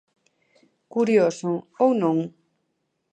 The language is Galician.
Curioso, ¿ou non?